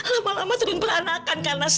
lama lama turun beranakan karena stres